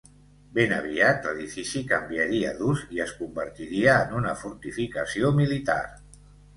Ben aviat, l'edifici canviaria d'ús i es convertiria en una fortificació militar.